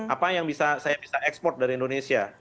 apa yang bisa saya bisa ekspor dari indonesia